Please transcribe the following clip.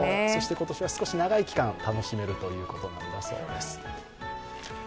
そして今年は少し長い期間楽しめるということだそうです。